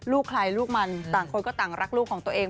ลูกใครลูกมันต่างคนก็ต่างรักลูกของตัวเอง